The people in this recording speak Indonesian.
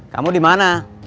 kamu di mana